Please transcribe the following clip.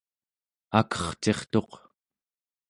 akercirtuq